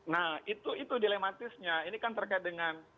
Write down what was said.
nah itu dilematisnya ini kan terkait dengan